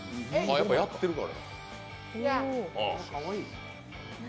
やっぱやってるから。